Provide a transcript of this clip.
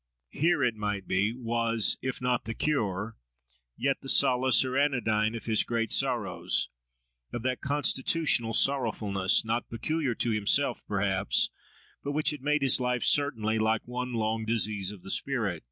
Here, it might be, was, if not the cure, yet the solace or anodyne of his great sorrows—of that constitutional sorrowfulness, not peculiar to himself perhaps, but which had made his life certainly like one long "disease of the spirit."